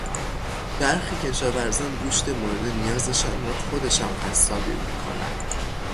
برخی کشاورزان گوشت مورد نیازشان را خودشان قصابی میکنند.